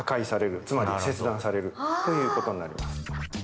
つまり切断されるということになります。